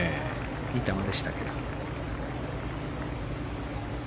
いい球でしたけど。